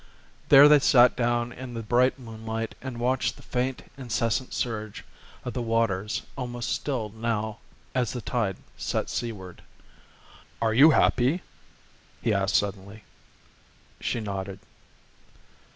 There they sat down in the bright moonlight and watched the faint incessant surge of the waters almost stilled now as the tide set seaward. "Are you happy?" he asked suddenly. She nodded.